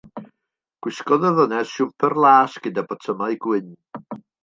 Gwisgodd y ddynes siwmper las gyda botymau gwyn.